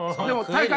大会。